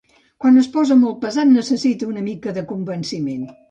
Quan es posa molt pesat necessita una mica de convenciment.